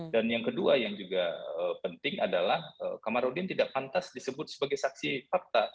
dan yang kedua yang juga penting adalah kamarudin tidak pantas disebut sebagai saksi fakta